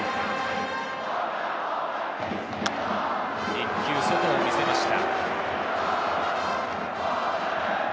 １球、外を見せました。